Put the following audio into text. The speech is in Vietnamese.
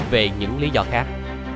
về những lý do khác